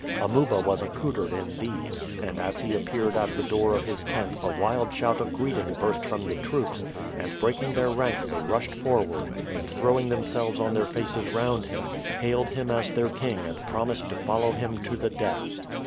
Amuba was accoutered in these, and as he appeared at the door of his tent a wild shout of greeting burst from the troops, and breaking their ranks they rushed forward, and throwing themselves on their faces round him, hailed him as their king and promised to follow him to the death.